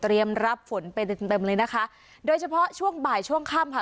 รับฝนไปเต็มเต็มเลยนะคะโดยเฉพาะช่วงบ่ายช่วงค่ำค่ะ